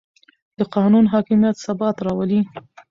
د قانون حاکمیت ثبات راولي